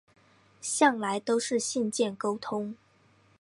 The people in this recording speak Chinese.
向来都是信件沟通